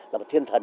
là một thiên thần